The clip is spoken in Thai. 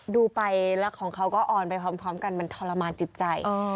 ดูไปแล้วของเขาก็ออนไปพร้อมกันมันทรมานจิตใจ